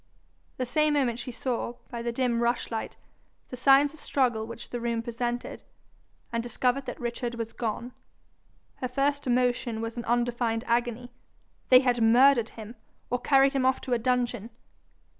The same moment she saw, by the dim rushlight, the signs of struggle which the room presented, and discovered that Richard was gone. Her first emotion was an undefined agony: they had murdered him, or carried him off to a dungeon!